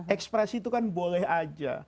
ekspresi itu kan boleh aja